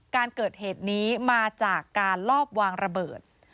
การเกิดเหตุนี้มาจากการลอบวางระเบิด